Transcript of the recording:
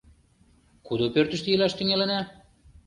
— Кудо пӧртыштӧ илаш тӱҥалына?